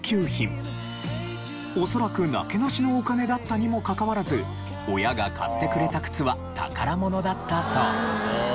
恐らくなけなしのお金だったにもかかわらず親が買ってくれた靴は宝物だったそう。